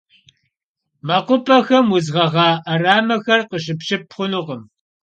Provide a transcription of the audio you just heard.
Mekhup'exem vudz ğeğa 'eramexer khışıpşıp xhunukhım.